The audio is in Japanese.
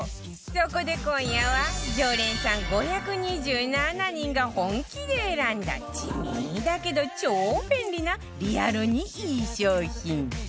そこで今夜は常連さん５２７人が本気で選んだ地味だけど超便利なリアルにいい商品